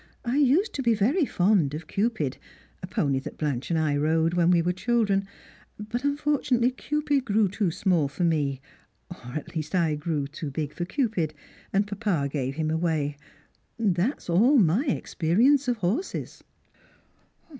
I used *o be very fond of Cupid, a pony that Blanche and I rode when we were children ; but unfortunately Cupid grew too small for me, or at least I grew too big for Cupid, and papa gave him away. That is all my experience of horses."